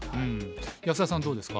安田さんはどうですか？